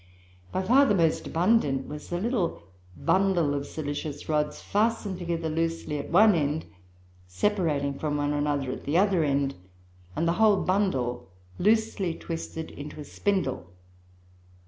By far the most abundant was the little bundle of silicious rods, fastened together loosely at one end, separating from one another at the other end, and the whole bundle loosely twisted into a spindle.